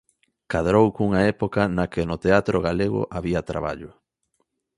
Cadrou cunha época na que no teatro galego había traballo.